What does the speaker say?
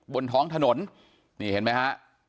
บนท้องถนนนี่เห็นไหมฮะ